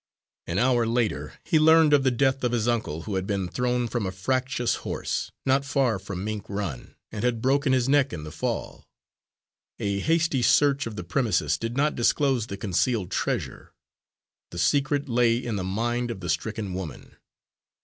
An hour later he learned of the death of his uncle, who had been thrown from a fractious horse, not far from Mink Run, and had broken his neck in the fall. A hasty search of the premises did not disclose the concealed treasure. The secret lay in the mind of the stricken woman.